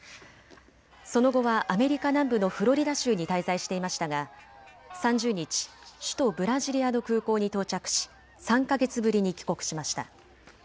その後はアメリカ南部のフロリダ州に滞在していましたが３０日、首都ブラジリアの空港に到着し３か月ぶりに帰国しました。